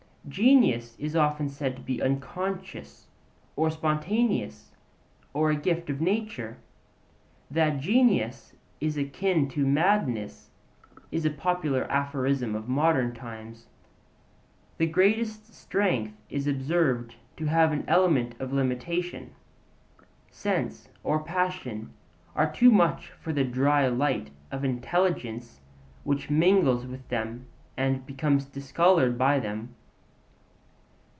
Genius is often said to be unconscious, or spontaneous, or a gift of nature: that 'genius is akin to madness' is a popular aphorism of modern times. The greatest strength is observed to have an element of limitation. Sense or passion are too much for the 'dry light' of intelligence which mingles with them and becomes discoloured by them.